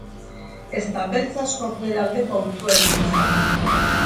Ezta beltz askok bere aldeko hautua egin izana.